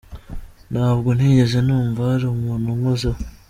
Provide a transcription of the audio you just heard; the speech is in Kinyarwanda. Ntabwo nigeze numva hari umuntu unkozeho.